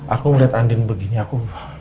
aku ngeliat andin begini aku